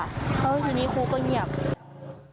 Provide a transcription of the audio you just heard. แล้วทีนี้ครูก็เงียบ